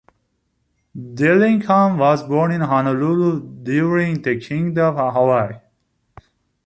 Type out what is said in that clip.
Dillingham was born in Honolulu, during the Kingdom of Hawaii.